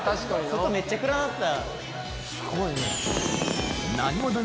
外めっちゃ暗なった。